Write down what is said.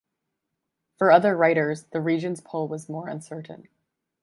For other writers, the region's pull was more uncertain.